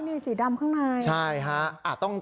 นี่สีดำข้างใน